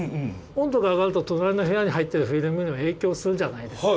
温度が上がると隣の部屋に入ってるフィルムにも影響するじゃないですか。